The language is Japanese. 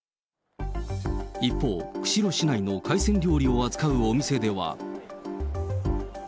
一方、釧路市内の海鮮料理を扱うお店では。